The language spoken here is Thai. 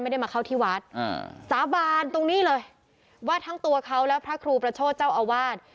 ไม่ได้มาเข้าที่วัดอ่าสาบานตรงนี้เลยว่าทั้งตัวเขาและพระครูประโชธเจ้าอาวาส